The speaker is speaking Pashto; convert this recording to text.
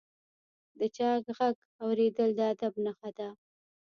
د چا ږغ اورېدل د ادب نښه ده.